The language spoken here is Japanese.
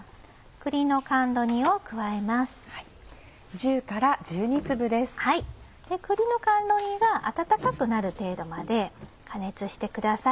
栗の甘露煮が温かくなる程度まで加熱してください。